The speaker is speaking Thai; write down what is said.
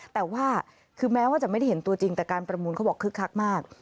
แต่แม้ว่าไม่ได้ดูตัวจริงแต่การประมูลขึ้นมาก